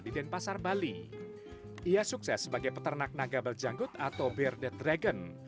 ia sukses sebagai peternak naga beljanggut atau bear the dragon